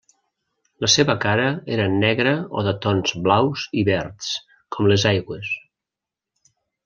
La seva cara era negra o de tons blaus i verds, com les aigües.